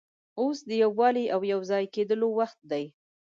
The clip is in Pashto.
اوس د یووالي او یو ځای کېدلو وخت دی.